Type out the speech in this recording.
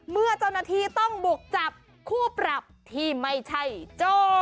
เมื่อเจ้าหน้าที่ต้องบุกจับคู่ปรับที่ไม่ใช่โจ้